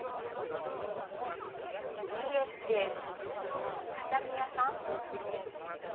家って畳屋さん？